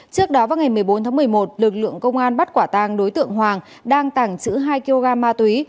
trước đó vào ngày một mươi bốn tháng một mươi một lực lượng công an bắt quả tàng đối tượng hoàng đang tàng trữ hai kg ma túy